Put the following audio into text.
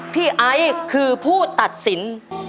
พี่ไอ้คือผู้ตัดสิน